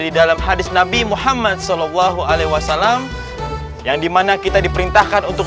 di dalam hadits nabi muhammad shallallahu alaihi wasallam yang dimana kita diperintahkan untuk